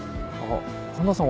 環田さん